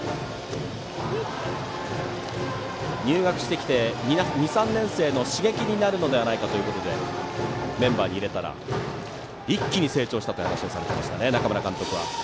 入学してきて２、３年生の刺激になるのではないかということでメンバーに入れたら一気に成長したという話をされていましたね